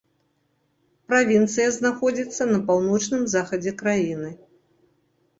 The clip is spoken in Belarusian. Правінцыя знаходзіцца на паўночным захадзе краіны.